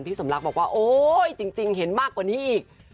สมรักบอกว่าโอ๊ยจริงเห็นมากกว่านี้อีก